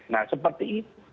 nah seperti itu